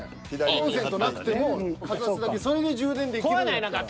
コンセントなくても片手だけそれで充電できるんやったら。